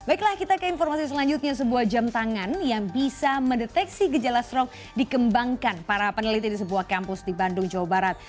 baiklah kita ke informasi selanjutnya sebuah jam tangan yang bisa mendeteksi gejala stroke dikembangkan para peneliti di sebuah kampus di bandung jawa barat